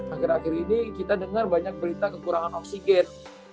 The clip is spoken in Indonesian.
akhir akhir ini kita dengar banyak berita kekurangan oksigen